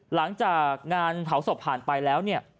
หลังจากงานเผาศพผ่านไปแล้วเนี่ย